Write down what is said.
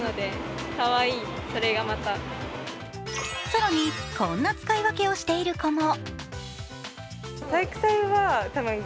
更に、こんな使い分けをしている子も。